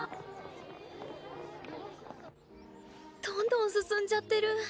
どんどん進んじゃってる。